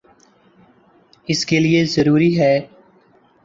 اس کے لئیے ضروری ہے